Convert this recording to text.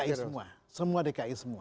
dki semua semua dki semua